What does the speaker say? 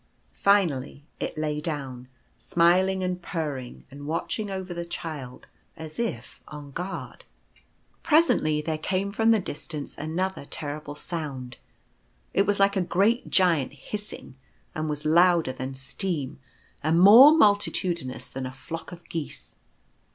Finally it lay down, smiling and purring, and watching over the Child as if on guard. 1 82 The Serpent. Presently there came from the distance another terrible sound. It was like a great Giant hissing ; and was louder than steam, and more multitudinous than a flock of geese.